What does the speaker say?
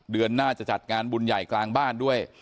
เดือนหน้าจะจัดงานบุญใหญ่กลางบ้านด้วย